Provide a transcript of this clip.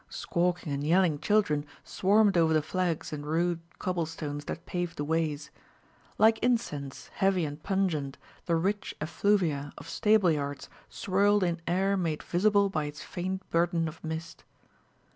Squawking and yelling children swarmed over the flags and rude cobblestones that paved the ways. Like incense, heavy and pungent, the rich effluvia of stable yards swirled in air made visible by its faint burden of mist.